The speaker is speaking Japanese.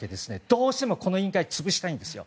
どうしても、この委員会潰したいんですよ。